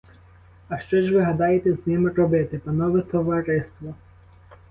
А що ж ви гадаєте з ним робити, панове товариство?